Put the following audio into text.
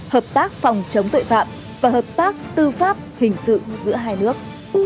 hợp tác phòng chống tội phạm và hợp tác tư pháp hình sự giữa hai nước